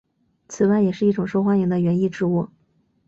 此外也是一种受欢迎的园艺植物。